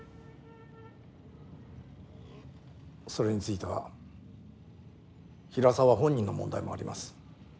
それについては平沢本人の問題もあります。